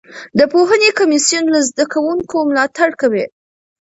د پوهنې کمیسیون له زده کوونکو ملاتړ کوي.